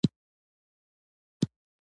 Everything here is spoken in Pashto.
زه د ژوند په خوند کې نه یم.